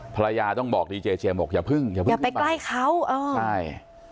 ภรรยาต้องบอกดีเจเจียมบอกอย่าเพิ่งอย่าเพิ่งอย่าไปใกล้เขาเออใช่